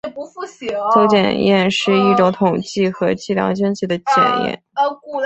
邹检验是一种统计和计量经济的检验。